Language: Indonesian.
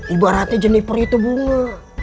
ibaratnya jennifer itu bunga